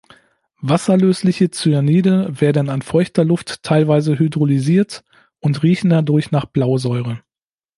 Wasserlösliche Cyanide werden an feuchter Luft teilweise hydrolysiert und riechen dadurch nach Blausäure.